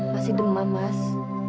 masih demam mas